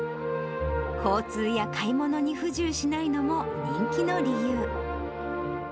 交通や買い物に不自由しないのも人気の理由。